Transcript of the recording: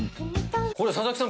これ佐々木さん